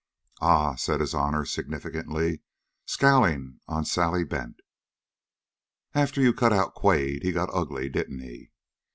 "Ah!" said his honor significantly, scowling on Sally Bent. "After you cut out Quade, he got ugly, didn't he?"